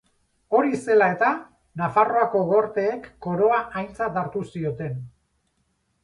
Hori zela eta, Nafarroako Gorteek koroa aintzat hartu zioten.